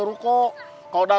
tuh tuh tuh